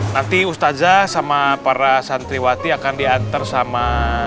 nanti ustazah sama para santriwati akan diantar sama